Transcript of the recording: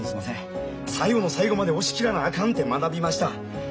最後の最後まで押し切らなあかんて学びました。